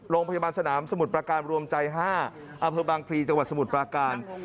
โรงพยาบาลสนามสมุทรปราการรวมใจ๕อพจสมุทรปราการ